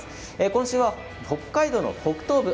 今週は北海道の北東部